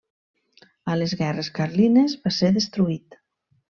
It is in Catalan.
A les guerres carlines va ser destruït.